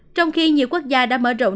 trong khi nhiều quốc gia đã mở rộng